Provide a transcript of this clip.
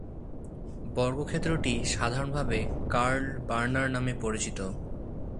বর্গক্ষেত্রটি সাধারণভাবে 'Carl Berner' নামে পরিচিত।